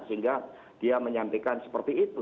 sehingga dia menyampaikan seperti itu